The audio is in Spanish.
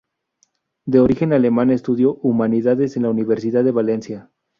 De origen alemán estudió Humanidades en la Universidad de Valencia.